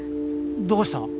どうした？